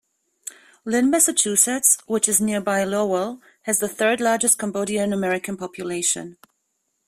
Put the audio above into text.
Lynn, Massachusetts, which is nearby Lowell, has the third largest Cambodian American population.